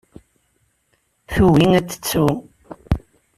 Tugi ad t-tettu.